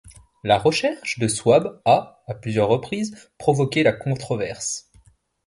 La recherche de Swaab a, à plusieurs reprises, provoqué la controverse.